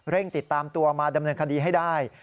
ติดตามตัวมาดำเนินคดีให้ได้